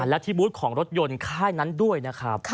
และที่บูธของรถยนต์ค่ายนั้นด้วยนะครับ